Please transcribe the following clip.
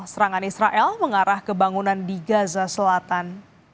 serangan israel mengarah kebangunan di gaza selatan